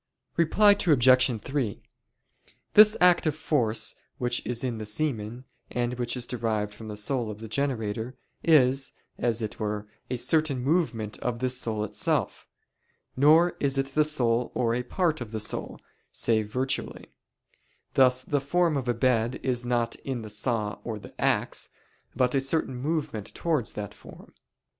Reply Obj. 3: This active force which is in the semen, and which is derived from the soul of the generator, is, as it were, a certain movement of this soul itself: nor is it the soul or a part of the soul, save virtually; thus the form of a bed is not in the saw or the axe, but a certain movement towards that form.